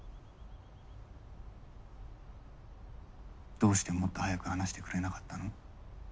どうしてもっと早く話してくれなかったの？